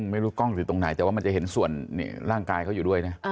ไม่รู้กล้องอยู่ตรงไหนแต่ว่ามันจะเห็นส่วนร่างกายเขาอยู่ด้วยนะ